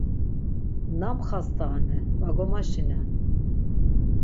Nam xast̆aane va gomaşinen.